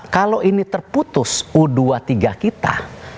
kalau ini terputus u dua puluh tiga kita